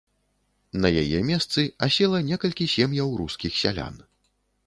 На яе месцы асела некалькі сем'яў рускіх сялян.